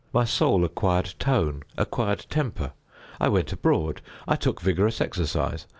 My soul acquired tone—acquired temper. I went abroad. I took vigorous exercise.